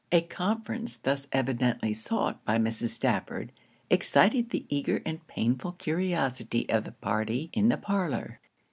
A conference thus evidently sought by Mrs. Stafford, excited the eager and painful curiosity of the party in the parlour.